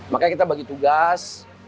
makanya kita bagi tugas